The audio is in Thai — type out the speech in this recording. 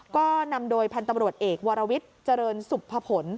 ก็นำโดยพันธุ์ตำรวจเอกวรวิทย์เจริญสุภพล